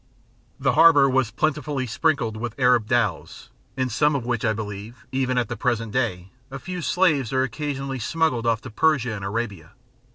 The harbour was plentifully sprinkled with Arab dhows, in some of which, I believe, even at the present day, a few slaves are occasionally smuggled off to Persia and Arabia.